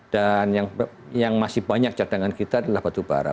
dan yang masih banyak cadangan kita adalah batubara